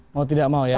mau tidak mau ya